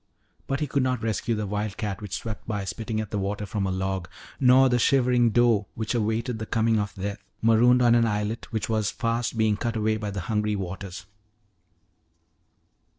_] But he could not rescue the wildcat which swept by spitting at the water from a log, nor the shivering doe which awaited the coming of death, marooned on an islet which was fast being cut away by the hungry waters.